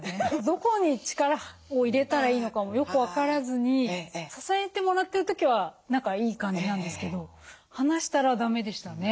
どこに力を入れたらいいのかもよく分からずに支えてもらってる時は何かいい感じなんですけど離したらだめでしたね。